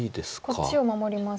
こっちを守りますか？